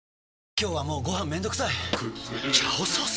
今日はもうご飯めんどくさい「炒ソース」！？